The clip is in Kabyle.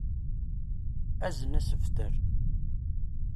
Azen asebter.